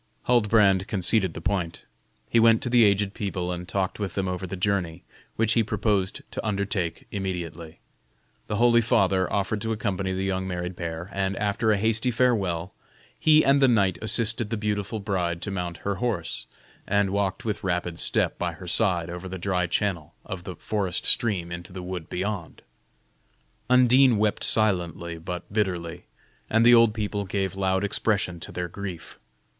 Huldbrand conceded the point; he went to the aged people and talked with them over the journey, which he proposed to undertake immediately. The holy father offered to accompany the young married pair, and, after a hasty farewell, he and the knight assisted the beautiful bride to mount her horse, and walked with rapid step by her side over the dry channel of the forest stream into the wood beyond. Undine wept silently but bitterly, and the old people gave loud expression to their grief.